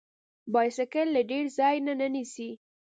بایسکل له ډیر ځای نه نیسي.